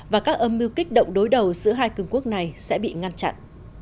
và các âm mưu kích động đối đầu giữa hai cường quốc này sẽ bị ngăn chặn